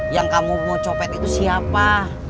yang kamu mau copet itu siapa